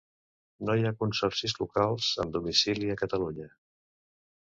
Hi ha consorcis locals amb domicili a Catalunya.